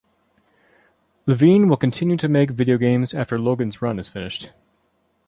Levine will continue to make video games after "Logan's Run" is finished.